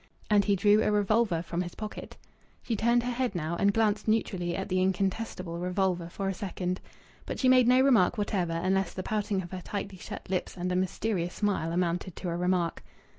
And he drew a revolver from his pocket. She turned her head now, and glanced neutrally at the incontestable revolver for a second. But she made no remark whatever, unless the pouting of her tightly shut lips and a mysterious smile amounted to a remark.